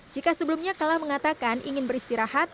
jika sebelumnya kalah mengatakan ingin beristirahat